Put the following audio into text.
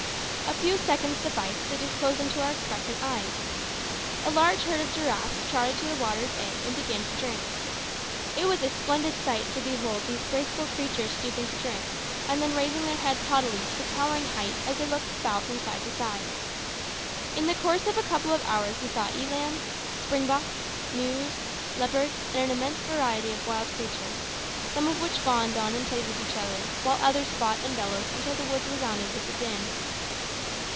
A few seconds sufficed to disclose them to our expectant eyes. A large herd of giraffes trotted to the water's edge and began to drink. It was a splendid sight to behold these graceful creatures stooping to drink, and then raising their heads haughtily to a towering height as they looked about from side to side. In the course of a couple of hours we saw elands, springboks, gnus, leopards, and an immense variety of wild creatures, some of which fawned on and played with each other, while others fought and bellowed until the woods resounded with the din.